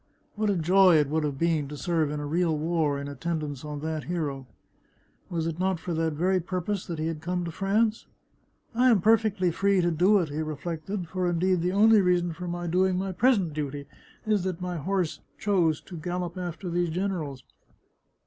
What a joy it would have been to serve in a real war in attendance on that hero ! Was it not for that very purpose that he had come to France? " I am perfectly free to do it," he reflected, " for indeed the only reason for my doing my present duty is that my horse chose to gallop after these generals."